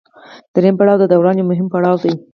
دریم پړاو د دوران یو مهم پړاو دی